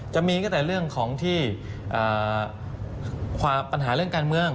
จะมีก็แต่เรื่องของที่ปัญหาเรื่องการเมือง